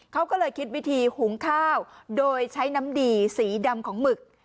เขาก็เลยคิดวิธีหุงข้าวโดยใช้น้ำดีสีดำของหมึก